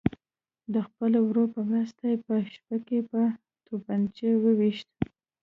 د خپل ورور په مرسته یې په شپه کې په توپنچه ویشت.